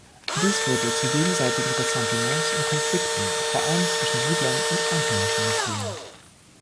Dies führte zu gegenseitigen Ressentiments und Konflikten, vor allem zwischen Siedlern und einheimischen Muslimen.